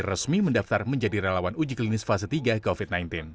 resmi mendaftar menjadi relawan uji klinis fase tiga covid sembilan belas